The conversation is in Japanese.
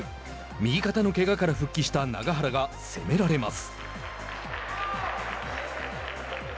右肩のけがから復帰した永原が攻められます。